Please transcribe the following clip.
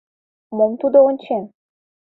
Мом тудо ончен?